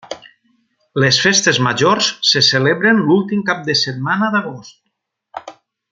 Les Festes Majors se celebren l'últim cap de setmana d'agost.